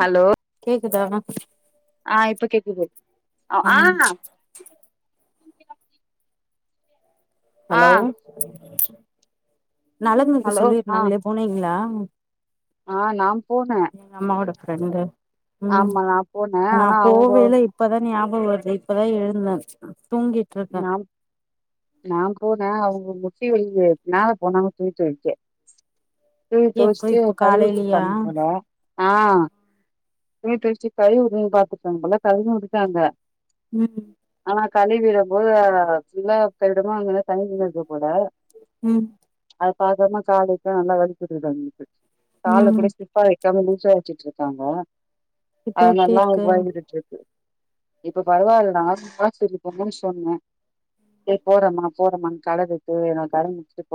hello கேக்குதா ma'am ஆ இப்ப கேக்குது ஆ ஆ ஹலோ நலங்க்கு ஹலோ ஆ சொல்லிருந்தாங்களே போனீங்ளா ஆ நா போனே எ அம்மாவோட ஃப்ரெண்டு ம் ஆமா நா போனே நா ஆனா அவங்க போவேல இப்பதா ஞாபவ வருது இப்பதா எழுந்தே தூங்கி நாம் நா போனே அவுங்க முட்டி வலி மேல போனாங்க துணி துவைக்கே துணி எப்ப துவச்சுட்டு இப்ப காலையிலயா கழுவுத்து [unintelligible] போல ஆ துணி தொவச்சிட்டு கழுவி உடுன்னு பாத்துட்டாங்க போல கழுவியு விட்டுடாங்க ம் ஆனா கழிவிடும் போது புல்லா கழிவுடும் போது அங்க [unintelligible] போல ம் அத பாக்கமா காலுதா நல்லா வழுக்கி விட்டுட்டு வந்துருச்சு கால ம் கூட ஸ்டிப்பா வைக்காம லூசா வச்சுட்டு இருக்காங்க இப்ப அது எப்டி நல்லா இருக்கு வழுக்கி விட்டுச்சு இப்ப பரவால்ல நார்மலா சரி போங்கோ சொன்னே ஏ போறம்மா போறமான் கலதுட்டு என்ன கட முடிச்சுட்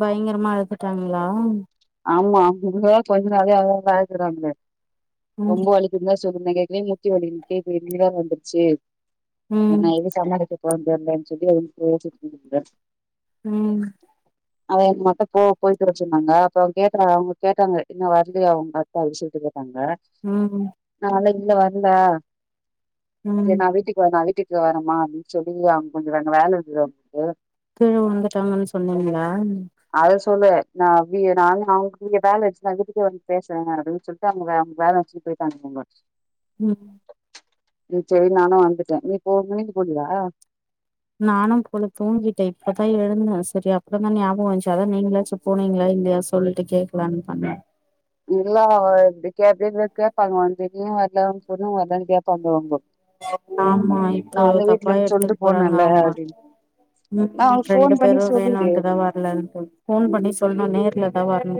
பயங்கரமா அழுதுட்டாங்களா ஆமா அவங்கோ கொஞ்ச [unintelligible] ம் ரொம்ப வலிக் இல்ல [unintelligible] எனக்கு ஏற்கனவே முட்டி வலி இருந்துசு இப்பொ இது வேற வந்துருச்சு ம் என்ன எ [unintelligible] [unintelligible] ம் அவ எங்க மட்டு போ போயிட்டு வச்சிருந்தாங்க அப்ப அவ கேட்டா அவுங்க கேட்டாங்க இன்னு வரலயா அவுங்க சொல்ட்டு போய்ருக்காங்க ம் நாளைக்கு இல்ல வர்ல ம் சரி நா வீட்டுக்கு வரே வீட்டுக்கு வரேமா சொல்லி அவ்ங்க கொஞ்ச அங்க வேல இருக்குது அவுங்ளுக்கு கீழ விழுந்தாட்டாங்கன்னு சொன்னீங்க அத சொல்லு நா வி நானு அவங்க நீங்க வேலைச்சு நா வீட்டுக்கே வந்து பேசுறே அப்டினு சொல்லி ங்க அவுங்க வேலைய முச்சுட்டு போய்டாங்க அவுங்க ம் ம் சேரி நானு வந்துட்டே நீ போக இன்னிக்கு போலயா நானு போல தூங்கிட்டே இப்பதா எழுந்தே சரி அப்ரோ தா ஞாபகோ வந்துச்சு அதா நீங்களாச்சு போனீங்களா இல்லையா சொல்லிட்டு கேக்கலானு பண்ணே இல்ல அவ இப்டி கேப்பே கேப்பாங்க வண்ட்டு நீயு வரல ஒ பொண்ணு வரல கேபாங்கோ அவ்ங்கோ ஆமா இப்போ தப்பா சொல்ட்டு எடுத்துட் போறாங்க போனேன்ல அவுங்க அப்டின்னு நா ம் அவளுக்கு ரெண்டு ஃபோன் பண்ணி பேரு சொல்லிடு வேணுண்டு தா வரலன்டு போன் பண்ணி சொல்ணு நேர்ல தா வர்ணு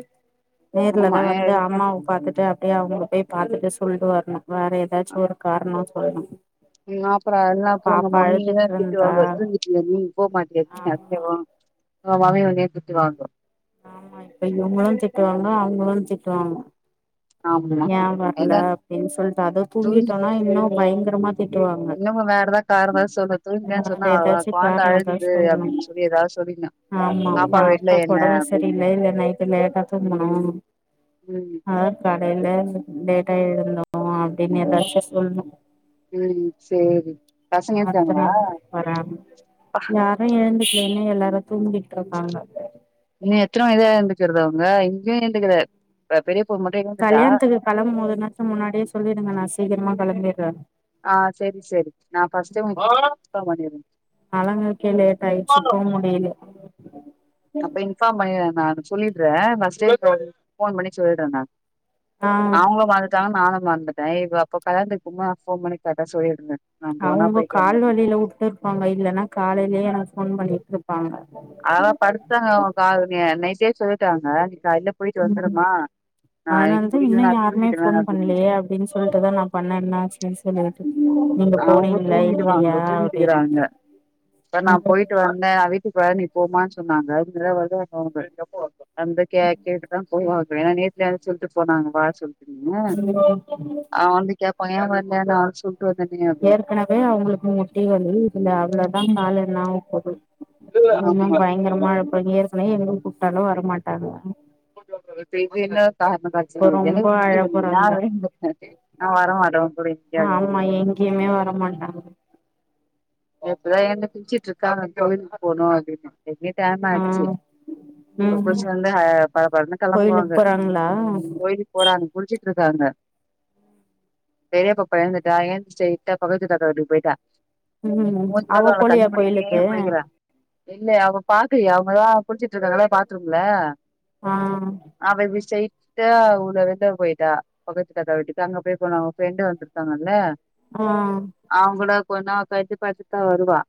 ஆமா நேர்லதா எ வந்து அம்மாவ பாத்துட்டு அப்டியே அவ்ங்கல போய் பாத்துட்டு சொல்ட்டு வர்ணு வேற ஏதாச்சு ஒரு காரனோ சொல்ணு ம் அப்ரோ எல்லா அப்ரோ ஒங்க மம்மியா திட்டு இருந்தா வாங்க வச்சிட்டு [unintelligible] நீ போக மாட்யாடி ஆமா [unintelligible] ஆ மாம்மி வந்து என்ன திட்டு வாங்கோ ஆமா இப்ப இவுங்களும் திட்டுவாங்க அவுங்களும் திட்டுவாங்க ஆமா ஏன் வர்ல ஏன்னா அப்டின்னு சொல்லிட்டு அதோ தூங் தூங்கிட்டோன்னா இன்னும் பயங்கரமா திட்டுவாங்க [unintelligible] காரம் தான் சொன்ன தூந்தேன்னு வேற சொன்னா அவ ஏதாச்சு குழந்த காரணந்தா அழுதுது சொல்லணு அப்டின்னு சொல்லி ஏதாவது சொல்லீங்க ஆமா பாபாக்கு ஒடம்பு சரியில்ல இல்ல நைட்டு் லேட்டா தூங்குனோம் ம் அதான் கடையில டேட்டா எழுதுனோ அப்டின்னு எதாச்சும் சொல்லனும் ம் சேரி பசங்க இருக்காங்களா அப்புறம் புறம் யா இன்னு எழுந்துக்கலேன்னா எல்லாரும் தூங்கிட்டு இருக்காங்க இன்னோ எத்தன மனிக்குதா எழுந்துச்சறது இங்கயும் எழுந்துக்குல வே பெரியப்போ மொட்டயிங் கல்யாணத்துக்கு களம்பும் மோது முன்னாடியே சொல்லிடுங்க நான் சீக்கிரமா களம்பிடுறேன் ஆ செரி செரி நான் பர்ஸ்ட்ட உனக்கு கன்பார்ம் பண்ணிறேன் நழங்குக்கே லேட் ஆயிடுச்சு போ முடில அப்ப இன்ஃபார்ம் பண்ணிறன் நான் சொல்லிடுறேன் நான் ஸ்டே ஃபோன் பண்ணி சொல்லிடுறேன் நான் ஆ அவுங்ளும் மறந்துட்டாங்க நானும் மறந்துட்டேன் இ அப்ப கல்யாணத்துக்கு போமோது நா ஃப்போன் பண்னி கரெட்டா சொல்லிருந்தேன் அவுங்க கால்வலில வுட்டுருப்பாங்க இல்லன்னா காலையிலயே எனக்கு ஃபோன் பண்ணிட்டு இருப்பாங்க அதான் படுத்தாங்கலா அவுங்க நைட்டே சொல்லிட்டாங்க நீ காலைல போயிட்டு ம் ம் வந்துருமா நா எனக்கு அதனாலதான் முடியல நா இன்னும் யாருமே எனக்கு தூங்கிடுவே ஃபோன் அப்டின்னு பண்ணயே அப்டின்னு சொ சொல்லிட்டுதான் நான் பண்ணேன் என்ன ஆச்சுனு சொல்லிட்டு நீங்க அவுங்க போனீங்களா இல்லையா தூங்கிடுவாங்க தூங்கிட்டுக்கிறாங்க அப்டின்னுட்டு இ நான் போயிட்டு வந்தேன் நா வீட்டுக்கு வரன் போமான்னு சொன்னாங்க அதுக்குள்ள வந்து நா ஃபோன் பன்னிட்டேன் வந்து கேட்டுதான் போவாங்க ஏன்னா நேத்து நெனசின்ட்டு போனாங்க வா சொல்லிட்டுங்க அவன் வந்து கேப் பான் ஏன் வர்ல நா வந்து சொன்ட்டு ஏற்கனவே அவுங்களுக்கு முட்டி வலி இதுல அவ்ளோவுதான் கால் என்னாவு போதோ இ ஆமா ங்கிற மழைப்பள்ளங்க ஏற்கனவே எங்கும் கூப்பட்டாலும் வரமாட்டாங்க [unintelligible] செரி ஒன் இப்ப ரொம்ப பொன்னுக்கு முட்டி அழ வலிக்குது நான் போறாங்க வரன் நான் வரமாட்டேன் கூட கன் எங்யமே வரமாண்டாங்க இப்பதா எழுந்து குளிசிட்டு இருக்கான் கோவிலுக்கு போனு அப்பின்னு ஏற்கனவே டைம் ஆ அயிடுச்சு குஸ்குஸ் ம் வந்து படபடனு கோயிலுக்கு களம்புவாங்க போறாங்களா கோயில் போறான் குள்ச்சிட்டு இருக்காங்க பெரியைய பப்பா எழுந்துட்டா ஏன்ச்ச ஸ்டெய்ட்டா பக்கத்து வீட்டு அக்கா வீட்டுக்கு போயிட்டன் ம் தூங்க கூட அவ இல்ல கண்ண போலியா முடினே கோயிலுக்கு போயின்குறன் இல்ல அவ பாக்குலயே அவுங்கதான் குளிசிட்டு இருக்காங்கள பாத்துரும்ள ஆ அவ விஷேய் பஸ்டே அவ ஊர்ல விட்டு போயிட்டா பக்கத்து தாத்தா வீட்டுக்கு அங்க போய் போனா அவுங்க ஃப்ரெண்டு வந்துருக்காங்கல்ல ஆ அவங்க கூட கொஞ்சா நாள் கழித்து பார்த்து தான் வருவா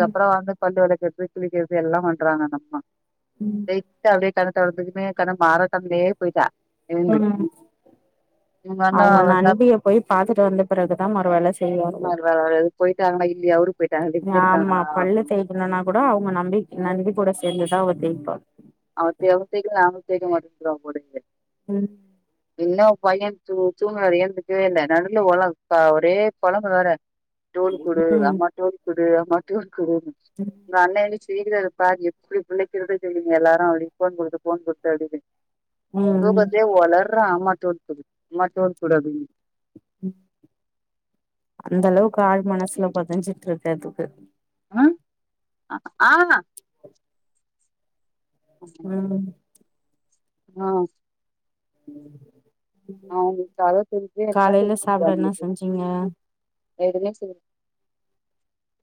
ம் வந்து பல் வளக்குறது துனி தொவைகிறது எல்லாம் பண்றாங்க அந்த அம்மா ம் ஸ்டேய்டா அப்டியே கண்ண தொறந்துக்குன்னே கண்ண மாறக் கண்ணாலேயே அப்டியே போயிட்டா எழும்பி போனோ இவங்க அண்ணா அவுங்க என்ன நண்பிய போய் பாத்துட்டு வந்த பிறகுதா மறு வேல செய்வாளுகோ அவுரு போயிட்டாரு எங்க இருக்காங்களான்னா அப்டின்னு கூப்புலன்னா கூடோ அவுங்க நண்பிக் நண்பி கூட சேந்துதா அவ ஜெய்ப்பா அவத்த அவ சேக்க நாங்களு தேக்க மாட்டேங்கிறோ போலருக்கு ம் இன்னு பைய சு சுன்னுவாரு ஏந்துருக்கவே இல்ல நடுவுல ஒழ க்கா ஒரே [unintelligible] வேற டோல் குடு ம் அம்மா டோல் குடு அம்மா டோல் குடு இந்த அண்ணடி ச்சிங்கிற பார் எப்டி பிள்ளக்குறதே சொல்லுங்க எல்லாரு அப்டி ஃபோன் குடுத்து ஃபோன் குடுத்து அப்டி ம் ம் தூக்கத்துலேயே ஒளர்றா அம்மா டோல் குடு அம்மா டோல் குடு அப்டினு அந்தளவுக்கு ஆள் மனசுல பதிஞ்சிட்ருக்கு அதுக்கு ம் ஆ ம் ஆ அவங்களுக்கு அத தெரிஞ்சு என்ன காலைல சாப்புட என்ன செஞ்சீங்க எதுமே செய்ல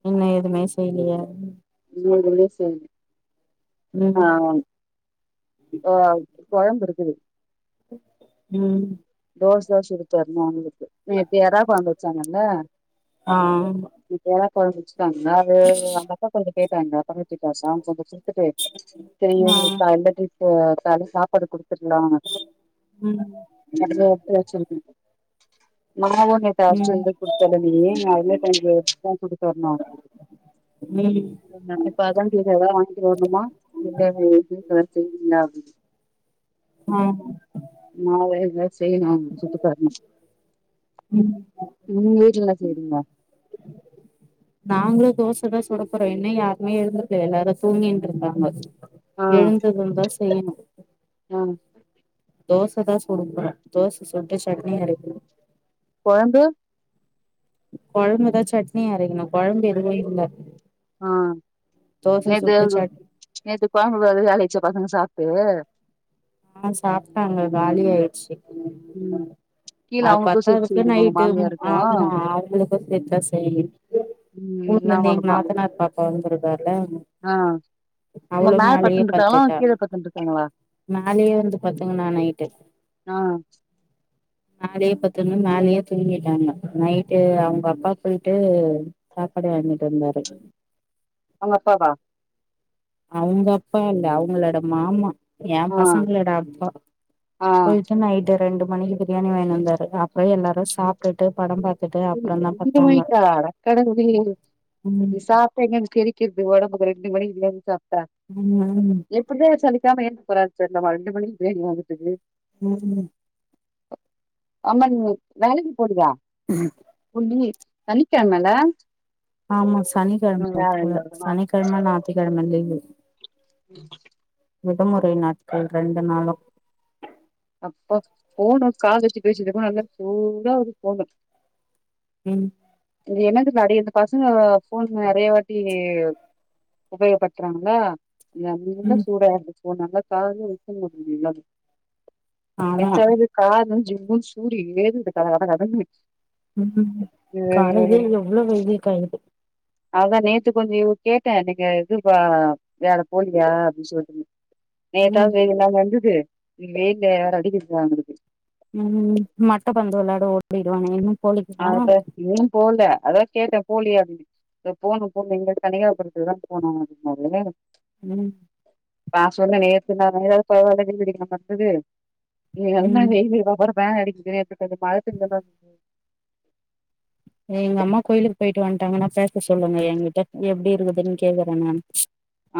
இன்னு எதுமே செய்லயா இன்னு எதுமே செய்ல ம் ஆ ஓ கொழம்பு இருக்குது ம் தோச சுட்டு தரணு அவுங்களுக்கு நேத்து எறா கொழம்பு வச்சாங்கல்ல ஆ நேத்து எறா கொழம்பு வச்சுட்டாங்க அது அந்த அக்கா கொஞ்ச கேட்டாங்க பக்கத்து வீட்டு அக்கா கொஞ்ச குடுத்துட்டு ஆ செய்றேக்கா இல்லாட்டி க காலல சாப்பாடு குடுத்துருந்தாங்க ம் அததா உட்டு வச்சுருந்த நா ஒன்னு டாஸ்ட்டு ம் எது குடுத்தாலுமே அதுல கொஞ்ச எடுத்துதா குடுத்தர்ணு அவுங்களுக் ம் இப்ப அதான் கேட்ட எதா வாங்கிட்டு வரணுமா இல்ல எது [inaudible] செய்வீர்களா அப்டினு ஆ நா [unintelligible] எதா செய்ணு சுட்டுத் தர்ணு ம் உங்க வீட்ல என்ன செய்றீங்க நாங்களு தோச தா சுடப்போறோ இன்னு யாருமே எழுந்திக்கல எல்லாரு அத தூங்கின்னு இருந்தாங்க ஆ எழுந்ததும் தா செய்ணு ஆ தோச தா சுடப் போற தோச சுட்டு சட்னி அரைக்கணு கொழம்பு கொழம்பு தா சட்னி அரைக்கணு கொழம்பு எதுவு இல்ல ஆ தோச நேத்து சுட்டு இது சட் நேத்து கொழம்பு அது காலியாய்ச்சா பசங்க சாப்ட்டு ஆ சாப்ட்டாங்க காலி ஆயிடுச்சு ம் கீழ ஆ அவங்களுக்கு சேத்து பத்தாதுக்கு செய்யணுமா உங்க நைட்டு மாமியாருக்கு ஆமா அவுங்களுக் பர்ஃபெக்டா செய்யி ம் எல்லா ஊர்லருந்து எங்க அவளுக்குதா நாத்தனார் பாப்பா வந்துருக்கார்ல ஆ உங்க அவளு மேல மேலேயே படுத்துன்னு இருக்காங்களா பட்த்துட்டா கீழ படுத்துன்னு இருக்காங்களா மேலேயே வந்து பத்துக்குனா நைட்டு ஆ மேலேயே பத்துன்னு மேலேயே தூங்கிட்டாங்க நைட்டு அவுங்க அப்பா போயிட்டு சாப்பாடு வாங்கிட்டு வந்தாரு அவுங்க அப்பா வா அவுங்க அப்பா இல்ல அவுங்களோட மாமா ஆ என்பசங்களோட அப்பா ஆ போயிட்டு நைட்டு ரெண்டு மணிக்கு பிரியாணி வாங்கினு வந்தாரு அப்பற எல்லாரும் சாப்ட்டுட்டு படம் பாத் நைட் ரெண்டு மணிக்கா அடக்கடவுளே ம் சாப் எங்க இருந்து செரிக்குறது உடம்பு ரெண்டு மணிக்கு மேல சாப்ட்டா ம் ம் எப்டிதா சலிக்காம எழுந்து போறாருன் தெரிலமா ரெண்டு மணிக்கு பிரியாணி வாங்குறதுக்கு ம் ம் ஆமா நீங்க வேலைக்கு போலயா ம் ஒ நீங்க சனிக்கிழமைல ஆமா சனிக்கிழமை போல சனிக்கிழமை ஞாத்திக்கிழமை லீவு உ விடுமுறை நாட்கள் ரெண்டு நாளு அப்பா ஃபோன காதுல வெச்சு பேசுதுக்க நல்லா சூடா இருது ஃபோனு ம் இது என்னதுக்கு அடி இந்த பசங்க ஃபோன் நறைய வாட்டி உபயோக படுத்துறாங்களா நல்லா ம் சூடாயிருது ஃபோனு என்னால காதுலே வெக்க முடியல ஆமா எச்சாவது காது ஜிவ்வுனு சூடு ஏறுது கட கட கடனு ம் காலையிலே எவ்வளோ வெயில் காயுது அதா நேத்து கொஞ்ச கேட்டே நீங்க இது வேலை போலியா அப்டின்னு சொல்லி ம் நேத்தாவது வெயில்லாம இருந்தது இன்னைக்கு வெயில் எவ்ளோ அடிக்கிது பாருங்க ம் மட்ட பந்து விளையாட ஓடி போயிருவாங்களேனு ஆதா இன்னும் போல அதா கேட்டே போலியா அப்டின்னு இதோ போணு போணு எங்க தனியாபுரத்துலதா போனு அப்டினாரு ம் நா சொன்னே நேத்து நா [unintelligible] இன்னைக்கு நல்லா ம் வெயிலு இத பாரு பேனு அடிக்குது நேத்து கொஞ்ச மழை [unintelligible] [unintelligible] எங்க அம்மா கோயிலுக்கு போயிட்டு வந்ட்டாங்கன்னா பேச சொல்லுங்க என்கிட்ட எப்டி இருக்குதுன்னு கேக்குறே நான்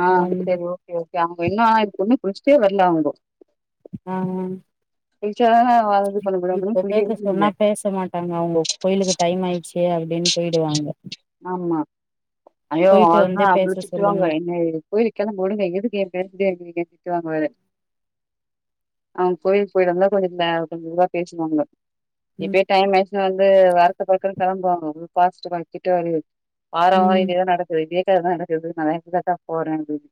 ஆ சரி ஓகே ஓகே அவுங்க இன்னு இதுக்கு இன்னு புடிச்சுட்டே வரல அவுங்க ஆ குளிச்சாதான இது பண்ண முடியு அவங்கெல்லா இப்ப பேச குளிக்கவே இல்ல சொன்னா பேசமாட் டாங்க அவுங்க கோயிலுக்கு டைம் ஆயிடுச்சே அப்டின்னு போயிடுவாங்க ஆமா ஐயோ போயிட்டு அதா வந்து பேச அவுங்க சொல்லுங்க திட்டுவாங்க என்ன கோயிலுக்கு கெளம்பி ஓடுங்க எதுக்கு என் [unintelligible] திட்டு வாங்குவாரு அவுங்க கோயிலுக்கு போயிட்டு வந்தா கொஞ்ச ல கொஞ்ச இதா பேசுவாங்க ம் இப்பயே டைம் ஆச்சுனா வந்து அறக்க பறக்கன் கிளம்புவாங்க [unintelligible] கிட்ட வரு வார வார ம் இதேதா நடக்குது இதே கததா நடக்குது நான் எங்கதா போறே அப்டினு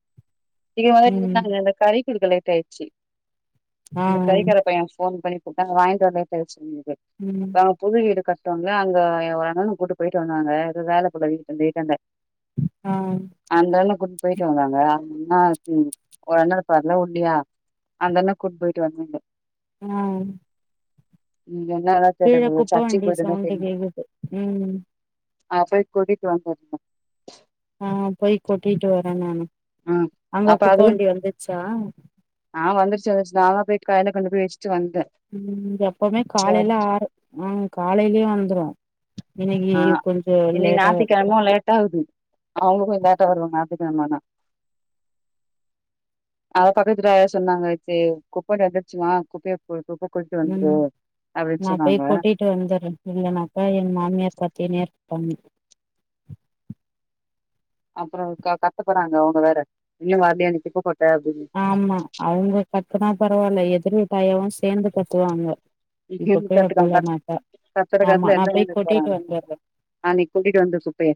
இன்ன வரையு ம் இருந்தாங்க இந்த கறி குடுக்க லேட் ஆயிடுச்சு ஆ இந்த கறிக்கட பையன் ஃபோன் பண்ணி கூப்ட்டாங்க வாங்கிட்டு வர லேட்டாயிடுச்சு [unintelligible] ம் புது வீடு கட்ரோல்ல அங்க ஒரு அண்ணன கூட்டு போயிட்டு வந்தாங்க எதோ வேலை போல வீட்ல வந்து வீட்டாண்ட ஆ அந்த அண்ண கூட்டு போயிட்டு வந்தாங்க அண்ணா ம் ஒரு அண்ணர் பரவா இல்லையா அந்தண்ணா கூட்டுப் போயிட்டு வந்தாங்க ம் நீ என்னாடோ கீழ குப்ப வண்டி சவுண்டு கேக்குது ம் ஆ போய் கொட்டிட்டு வந்துருக ஆ போயி கொட்டிட்டு வரே நானு ம் அங்க அப்ப குப்ப அதுதிங் வண்டி வந்துச்சா ஆ வந்துருச்சு வந்துருச்சு நா தா போயிட்டு காயல கொண்டு போய் வச்சட்டு வந்தே ம் எப்பவுமே காலையில ஆறு ம் காலையிலயே வந்துரு இன்னைக்கு ஆ கொஞ்சோ இன்னிக்கி லேட்டா வருது ஞாத்திக்கிழம லேட்ட ஆகுது அவங்களு லேட்டா வருவாங்க ஞாத்திக்கிழமனா அத பக்கத்து வீட்டுல சொன்னாங்க வச்சு குப்பை வண்டி வந்துச்சும்மா குப்பை கு [unintelligible] போட்டு வந்துரு அப்டின்னு சொன்னாங்க ட்டு வந்துற இல்லன்னாக்கா எங் மாமியார் பாத்துனோ இருப்பாங் அப்புறோ க கத்த போறாங்க அவங்க வேற இன்னு வரலையேன்னு குப்ப கொட்ட அப்டின்னு ஆமா அவங்க கத்துனா பரவாயில்ல எதிர்விட்டாயாவு சேந்து கத்துவாங்க இப்ப போய் நா [unintelligible] கத்துறாங்க மாட்ட கத்துற ஆமா காத்துல நா எல்லா போய் எழுந்து போறாங்க கொட்டிட்டு வந்தறே ஆ நீ கூட்டிட்டு வந்து சுத்தே